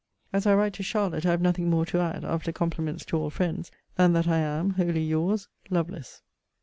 As I write to Charlotte I have nothing more to add, after compliments to all friends, than that I am Wholly your's, LOVELACE.